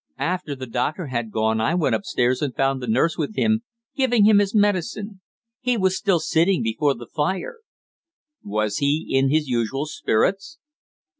After the doctor had gone I went upstairs and found the nurse with him, giving him his medicine. He was still sitting before the fire." "Was he in his usual spirits?"